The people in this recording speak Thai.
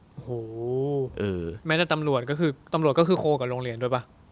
โหแม้แต่ตำรวจก็คือโคกับโรงเรียนด้วยปะ